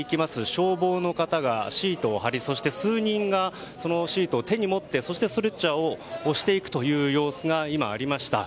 消防の方がシートを張りそして、数人がそのシートを手に持ってストレッチャーを押していくという様子が今、ありました。